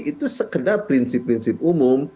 itu sekedar prinsip prinsip umum